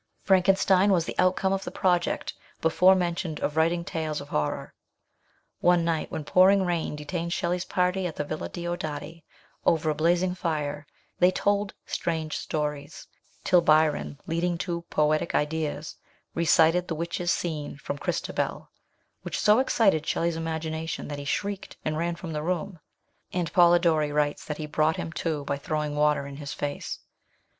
Frankenstein was the outcome of the project before mentioned of writing tales of horror. One night, when pouring rain detained Shelley's party at the Villa Diodati over a blazing fire, they told strange stories, till Byron, leading to poetic ideas, recited the witch's scene from " Christabel," which so excited Shelley's imagination that he shrieked, and ran from the room ; and Polidori writes that 7 * 100 MRS. SHELLEY. he brought him to by throwing water in his face.